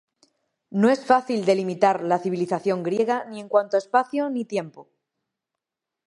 No es fácil delimitar la civilización griega ni en cuanto a espacio ni tiempo.